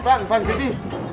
bang bang jadi